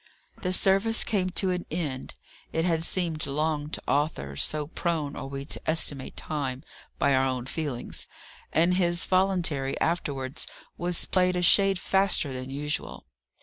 The service came to an end: it had seemed long to Arthur so prone are we to estimate time by our own feelings and his voluntary, afterwards, was played a shade faster than usual.